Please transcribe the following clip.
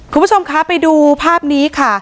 คุณผู้ชมคะไปดูภาพนี้ค่ะ